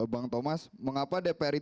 bang thomas mengapa dpr itu